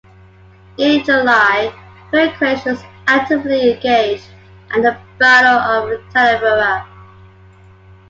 In July, Burghersh was actively engaged at the Battle of Talavera.